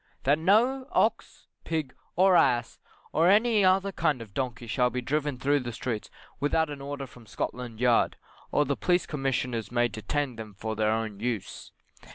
That no ox, pig, or ass, or any other kind of donkey shall be driven through the streets without an order from Scotland yard, or the Police Commissioners may detain them for ther own use.